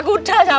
itu dia ya